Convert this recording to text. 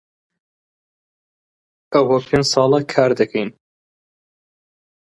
ئەوە پێنج ساڵە کار دەکەین.